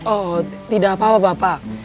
oh tidak apa apa bapak